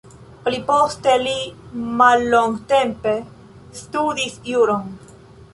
Pli poste li mallongtempe studis juron.